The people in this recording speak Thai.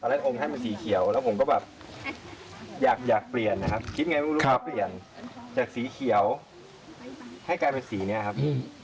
ตอนแรกอมให้มาสีเขียวแล้วผมก็แบบอยากเปลี่ยนนะครับคิดไงรูปแบบเปลี่ยนจากสีเขียวให้กลายมาสีเนี่ยครับ